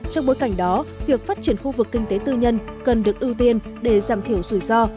trong bối cảnh đó việc phát triển khu vực kinh tế tư nhân cần được ưu tiên để giảm thiểu rủi ro